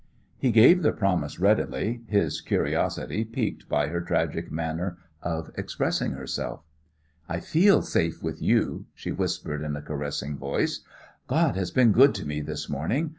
He gave the promise readily, his curiosity piqued by her tragic manner of expressing herself. "I feel safe with you," she whispered in a caressing voice. "God has been good to me this morning.